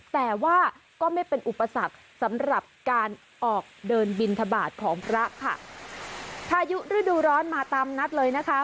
แต่ว่าก็ไม่เป็นอุปสรรคสำหรับการออกเดินบินทบาทของพระค่ะพายุฤดูร้อนมาตามนัดเลยนะคะ